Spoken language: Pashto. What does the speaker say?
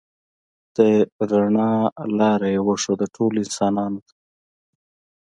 د رڼا لاره یې وښوده ټولو انسانانو ته.